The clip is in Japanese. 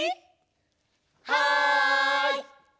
はい！